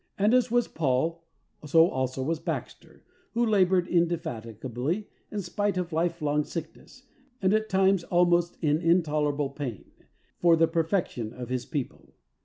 And as was Paul, so also was Baxter, who labored indefatigably in spite of life long sickness, and at times almost in intolerable pain, for the perfection of his people.